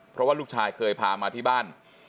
เพราะว่าลูกชายเคยพามาที่บ้าน